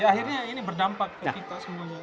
akhirnya ini berdampak ke kita semuanya